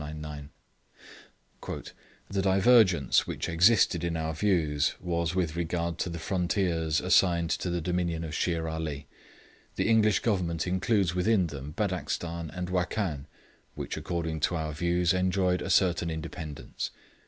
] 'The divergence which existed in our views was with regard to the frontiers assigned to the dominion of Shere Ali. The English Government includes within them Badakshan and Wakkan, which according to our views enjoyed a certain independence.